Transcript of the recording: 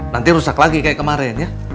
nanti rusak lagi kayak kemarin ya